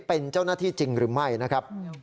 เป็นเจ้าหน้าที่จริงหรือไม่นะครับ